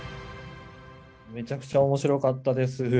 めちゃくちゃ面白かったです。